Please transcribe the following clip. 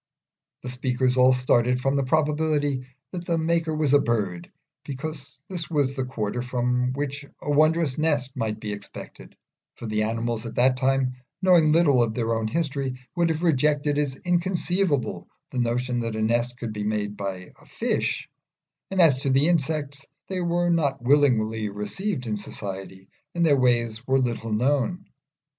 The speakers all started from the probability that the maker was a bird, because this was the quarter from which a wondrous nest might be expected; for the animals at that time, knowing little of their own history, would have rejected as inconceivable the notion that a nest could be made by a fish; and as to the insects, they were not willingly received in society and their ways were little known.